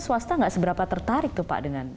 swasta nggak seberapa tertarik tuh pak dengan